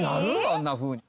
あんなふうに。